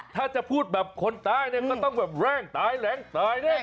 ถ้าจะพูดแบบคนใต้เนี่ยก็ต้องแบบแรงเนี่ย